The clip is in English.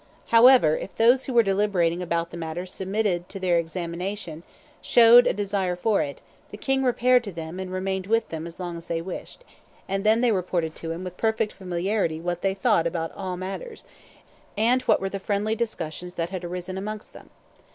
However, if those who were deliberating about the matter submitted to their examination showed a desire for it, the king repaired to them and remained with them as long as they wished; and then they reported to him with perfect familiarity what they thought about all matters, and what were the friendly discussions that had arisen amongst them.